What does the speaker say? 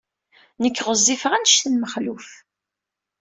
Nekk ɣezzifeɣ anect n Mexluf.